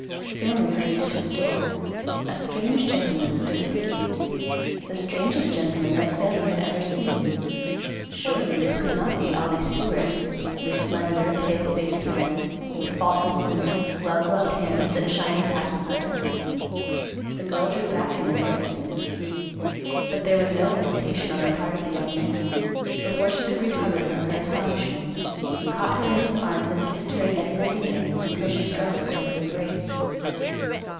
Sammy hurried to the door. A strange gentleman stood at the gate. The strangest gentleman that Sammy had ever seen. Surely this could not be Ollie Stewart; this slender, pale faced man, with faultless linen, well gloved hands and shining patent leathers. The girl drew back in embarrassment. But there was no hesitation on the part of the young man. Before she could recover from her astonishment, he caught her in his arms and kissed her again and again, until she struggled from his embrace.